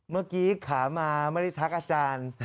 เมื่อกี้ขามาไม่ได้ทักอาจารย์